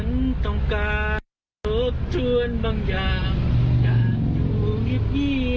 อยากอยู่เงียบคนเดียว